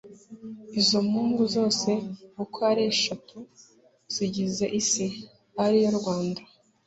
Izo mpugu zose uko ari eshatu zigize “Isi” (ariyo Rwanda